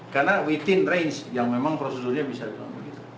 karena within range yang memang prosedurnya bisa dilakukan